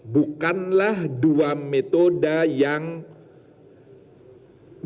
bukanlah dua metode yang dilakukan